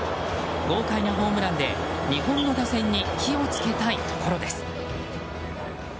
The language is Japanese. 豪快なホームランで日本の打線に火をつけたいところです。